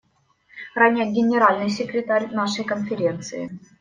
Ранее Генеральный секретарь нашей Конференции.